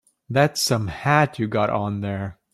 That's some hat you got on there.